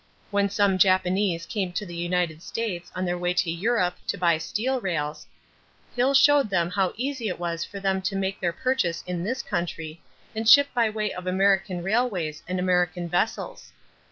When some Japanese came to the United States on their way to Europe to buy steel rails, Hill showed them how easy it was for them to make their purchase in this country and ship by way of American railways and American vessels.